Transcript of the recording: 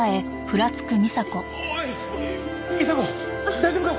大丈夫か？